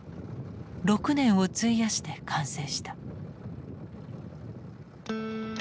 ６年を費やして完成した。